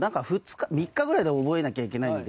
３日ぐらいで覚えなきゃいけないので。